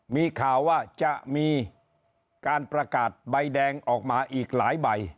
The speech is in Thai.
มีข่าวว่าจะมีการประกาศใบแดงออกมาอีกหลายใบ